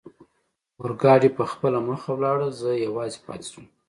اورګاډي پخپله مخه ولاړ، زه یوازې پاتې شوم.